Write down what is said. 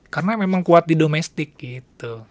karena memang kuat di domestik gitu